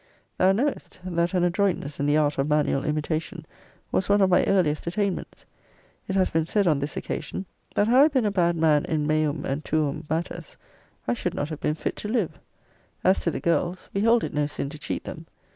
Thou knowest, that an adroitness in the art of manual imitation, was one of my earliest attainments. It has been said, on this occasion, that had I been a bad man in meum and tuum matters, I should not have been fit to live. As to the girls, we hold it no sin to cheat them.